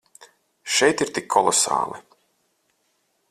Šeit ir tik kolosāli.